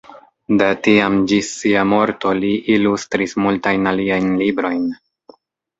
De tiam ĝis sia morto li ilustris multajn aliajn librojn.